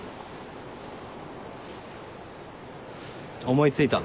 思いついた。